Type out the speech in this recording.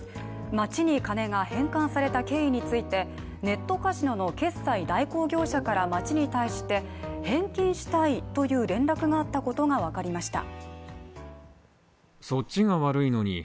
町に金が返還された経緯についてネットカジノの決済代行業者から町に対して返金したいという連絡があったことがわかりました。